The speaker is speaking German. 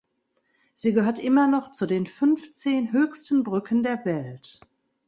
Sie gehört immer noch zu den fünfzehn höchsten Brücken der Welt.